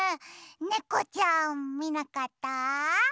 ねこちゃんみなかった？